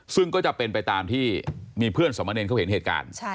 ซึ่งก็จะเป็นไปตามที่มีเพื่อนสมเนรเขาเห็นเหตุการณ์